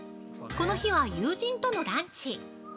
この日は、友人とのランチ。